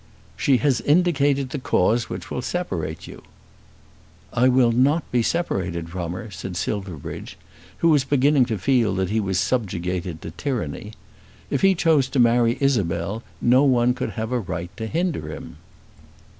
"She has indicated the cause which will separate you." "I will not be separated from her," said Silverbridge, who was beginning to feel that he was subjugated to tyranny. If he chose to marry Isabel, no one could have a right to hinder him.